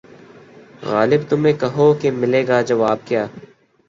غالبؔ تمہیں کہو کہ ملے گا جواب کیا